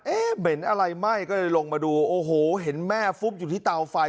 เหม็นอะไรไหม้ก็เลยลงมาดูโอ้โหเห็นแม่ฟุบอยู่ที่เตาไฟ